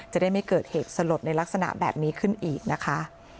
จะได้ไม่เกิดเหตุสลดในลักษณะแบบนี้ขึ้นอีกนะคะ